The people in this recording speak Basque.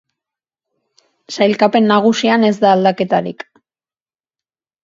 Sailkapen nagusian ez da aldaketarik.